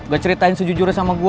gue ceritain sejujurnya sama gue